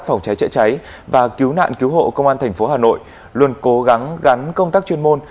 phòng cháy chữa cháy và cứu nạn cứu hộ công an thành phố hà nội luôn cố gắng gắn công tác chuyên môn